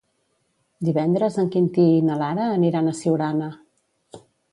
Divendres en Quintí i na Lara aniran a Siurana.